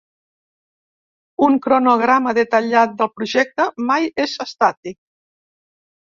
Un cronograma detallat del projecte mai és estàtic.